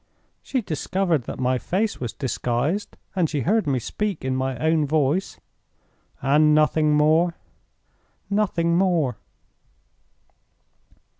"She discovered that my face was disguised, and she heard me speak in my own voice." "And nothing more?" "Nothing more."